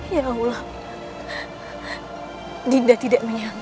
ya allah dinda tidak menyangka